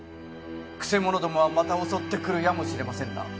曲者どもはまた襲ってくるやもしれませぬな。